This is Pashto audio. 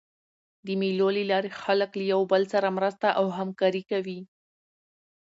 د مېلو له لاري خلک له یو بل سره مرسته او همکاري کوي.